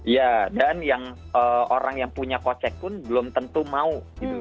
ya dan yang orang yang punya kocek pun belum tentu mau gitu